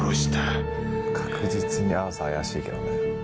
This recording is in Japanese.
確実にアーサー怪しいけどね。